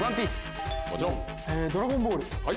『ドラゴンボール』。